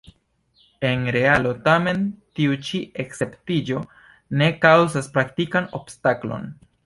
En realo tamen tiu ĉi esceptiĝo ne kaŭzas praktikan obstaklon.